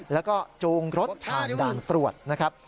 แล้วก็จูงรถผ่านด่านตรวจนะครับ